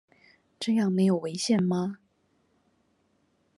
這樣沒有違憲嗎？